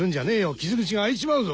傷口が開いちまうぞ。